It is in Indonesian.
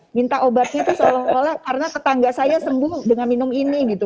minta obatnya itu seolah olah karena tetangga saya sembuh dengan minum ini gitu